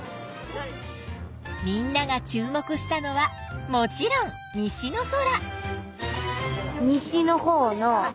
みんなが注目したのはもちろん西の空。